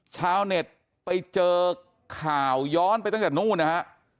ชาวเน็ตไปเจอข่าวย้อนไปตั้งแต่นู้นนะฮะ